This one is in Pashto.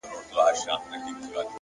گوره ځوانـيمـرگ څه ښـه وايــي’